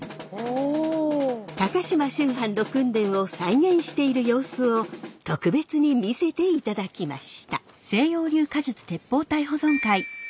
高島秋帆の訓練を再現している様子を特別に見せていただきました。